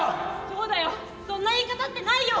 「そうだよそんな言い方ってないよ！」。